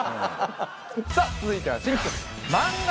さぁ続いては。